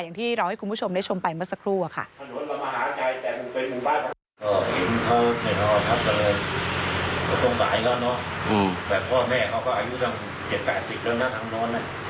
แบบพ่อแม่เขาก็อายุทั้ง๗๘๐แล้วนะทางโน้น